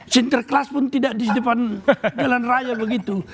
sinterklas pun tidak di depan jalan raya begitu